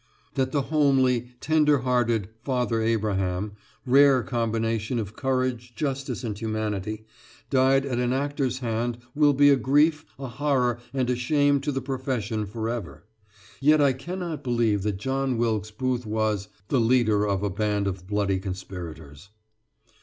That the homely, tender hearted "Father Abraham" rare combination of courage, justice, and humanity died at an actor's hand will be a grief, a horror, and a shame to the profession forever; yet I cannot believe that John Wilkes Booth was "the leader of a band of bloody conspirators."